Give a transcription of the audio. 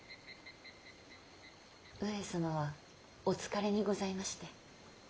上様はお疲れにございまして。